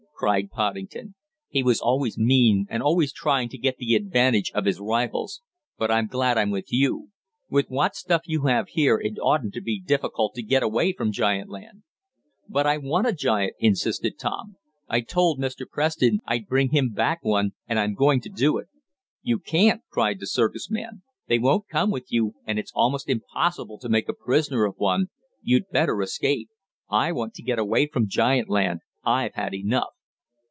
cried Poddington. "He was always mean, and always trying to get the advantage of his rivals. But I'm glad I'm with you. With what stuff you have here it oughtn't to be difficult to get away from giant land." "But I want a giant," insisted Tom. "I told Mr. Preston I'd bring him back one, and I'm going to do it." "You can't!" cried the circus man. "They won't come with you, and it's almost impossible to make a prisoner of one. You'd better escape. I want to get away from giant land. I've had enough."